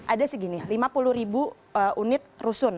ada segini lima puluh ribu unit rusun